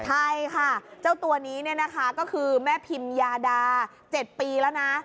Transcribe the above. ใช่ค่ะเจ้าตัวนี้ก็คือแม่พิมยาดา๗ปีแล้วนะ